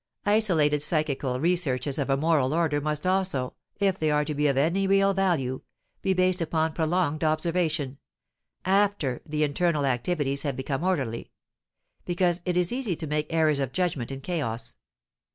Isolated psychical researches of a moral order must also, if they are to be of any real value, be based upon prolonged observation, after the internal activities have become orderly; because it is easy to make errors of judgment in a chaos.